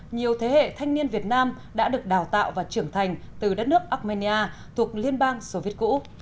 nhiều thế hệ thanh niên việt nam đã được đào tạo và trưởng thành từ đất nước armenia thuộc liên bang soviet cũ